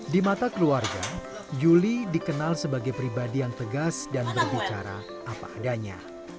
di mata keluarga yuli dikenal sebagai pribadi yang tegas dan berbicara apa adanya